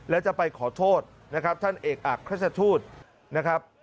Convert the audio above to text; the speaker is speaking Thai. และจะไปขอโทษท่านเอกอักคริสตสูตรนะครับ